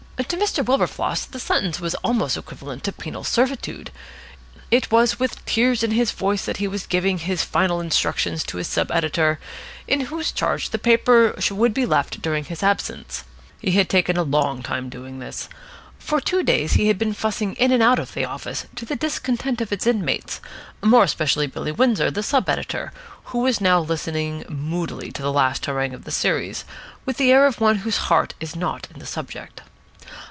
To Mr. Wilberfloss the sentence was almost equivalent to penal servitude. It was with tears in his voice that he was giving his final instructions to his sub editor, in whose charge the paper would be left during his absence. He had taken a long time doing this. For two days he had been fussing in and out of the office, to the discontent of its inmates, more especially Billy Windsor, the sub editor, who was now listening moodily to the last harangue of the series, with the air of one whose heart is not in the subject.